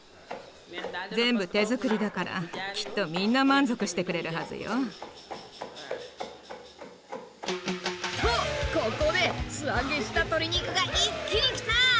全部手作りだからきっとみんな満足してくれるはずよ。とここで素揚げした鶏肉が一気にきた！